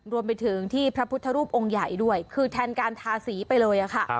รวมไปถึงที่พระพุทธรูปองค์ใหญ่ด้วยคือแทนการทาสีไปเลยค่ะ